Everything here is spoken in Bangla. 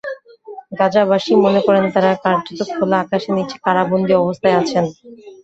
গাজাবাসী মনে করেন, তাঁরা কার্যত খোলা আকাশের নিচে কারাবন্দী অবস্থায় আছেন।